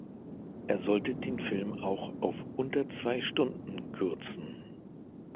Er sollte den Film auch auf unter zwei Stunden kürzen.